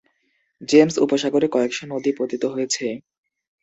James উপসাগরে কয়েকশ নদী পতিত হয়েছে।